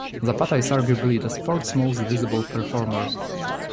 Zapata is arguably the sport's most visible performer.